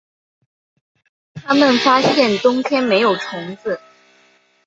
他们发现冬天没有虫子